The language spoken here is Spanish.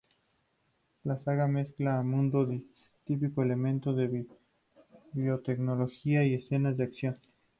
La saga mezcla un mundo distópico, elementos de biotecnología y escenas de acción.